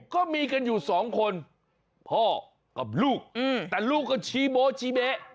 ก็มีกันอยู่สองคนพ่อกับลูกแต่ลูกก็ชี้โบ๊ชี้เบ๊